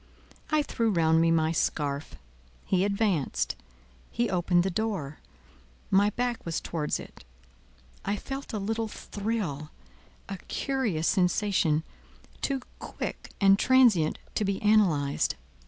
I threw round me my scarf. He advanced; he opened the door; my back was towards it; I felt a little thrill—a curious sensation, too quick and transient to be analyzed.